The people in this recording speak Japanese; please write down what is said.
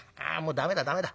「駄目だ駄目だ。